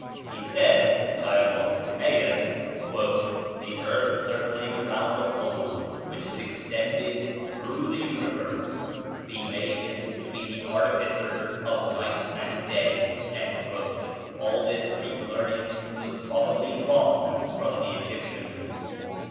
He says "Dialogues, Timæus" "The earth circling around the pole (which is extended through the universe) be made to be the artificer of night and day." All this Greek learning was probably drawn from the Egyptians.